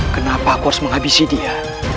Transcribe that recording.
kenapa aku harus menghabisi dia